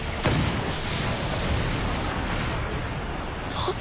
パス！？